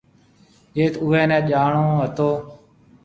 جيٿ اُوئي نَي جاڻو ھتو۔